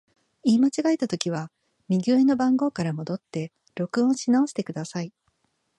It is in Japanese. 言い間違えたときは、右上の番号から戻って録音し直してください。